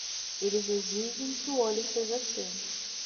Eles exigem que o óleo seja seu.